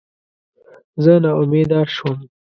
زه ناامیده شوم.